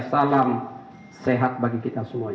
salam sehat bagi kita semuanya